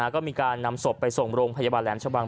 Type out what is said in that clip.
ก็มีการนำศพไปส่งโรงพยาบาลแหลมชะบัง